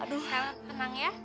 aduh tenang ya